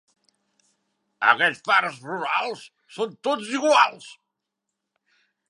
Aquests farts rurals són tots iguals.